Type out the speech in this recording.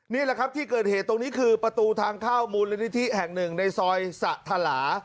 นี่แหละครับที่เกิดเหตุตรงนี้คือประตูทางเข้ามูลนิธิแห่งหนึ่งในซอยสะทลา